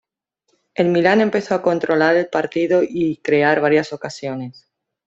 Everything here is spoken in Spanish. El Milan empezó a controlar el partido y a crear varias ocasiones.